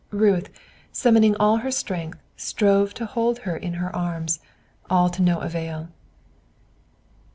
Ruth, summoning all her strength, strove to hold her in her arms, all to no avail.